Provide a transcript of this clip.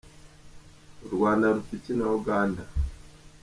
U Rwanda rupfa iki na Uganda?